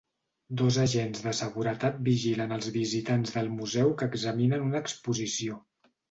Dos agents de seguretat vigilen els visitants del museu que examinen una exposició.